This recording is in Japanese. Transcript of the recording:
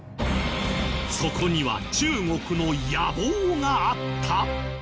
そこには中国の野望があった。